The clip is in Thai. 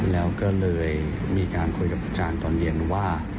แล้วก็เลยมีการคุยกับอาจารย์ตอนเย็นว่า